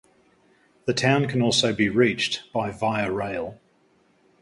The town can also be reached by Via Rail.